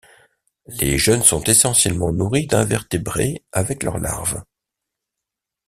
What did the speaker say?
Les jeunes sont essentiellement nourris d’invertébrés avec leurs larves.